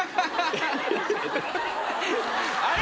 あれ？